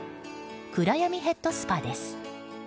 暗闇ヘッドスパです。